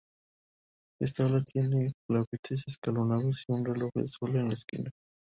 Esta ala tiene gabletes escalonados, y un reloj de sol en una esquina.